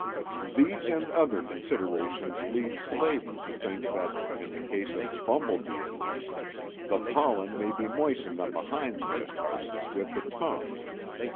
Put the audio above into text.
These and other considerations lead Sladen to think that, in the case of the bumblebee at least, the pollen "may be moistened on the hind metatarsus with the tongue."